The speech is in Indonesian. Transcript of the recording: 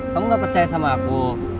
kamu gak percaya sama aku